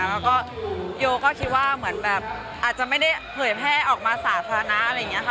แล้วก็โยก็คิดว่าเหมือนแบบอาจจะไม่ได้เผยแพร่ออกมาสาธารณะอะไรอย่างนี้ค่ะ